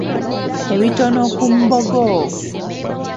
Ebitono ku Mbogo.